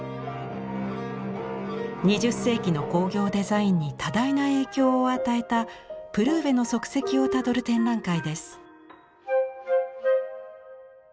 ２０世紀の工業デザインに多大な影響を与えたプルーヴェの足跡をたどる展覧会です。